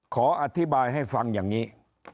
ขออธิบายให้ฟังอย่างนี้